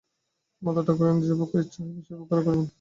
মাতাঠাকুরাণীর যে প্রকার ইচ্ছা হইবে, সেই প্রকারই করিবেন।